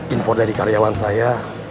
info dari karyawan saya